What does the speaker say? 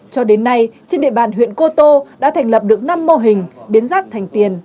cho đến nay trên địa bàn huyện cô tô đã thành lập được năm mô hình biến rác thành tiền